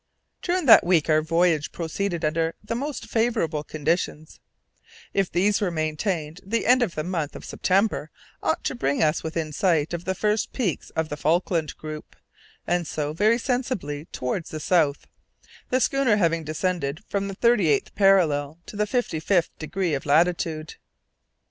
During that week our voyage proceeded under the most favourable conditions; if these were maintained, the end of the month of September ought to bring us within sight of the first peaks of the Falkland Group; and so, very sensibly towards the south; the schooner having descended from the thirty eighth parallel to the fifty fifth degree of latitude.